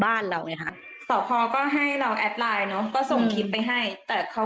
บ้านเราไงฮะสพก็ให้เราแอดไลน์เนอะก็ส่งคลิปไปให้แต่เขา